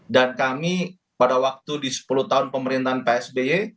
dan kami pada waktu di sepuluh tahun pemerintahan pak sby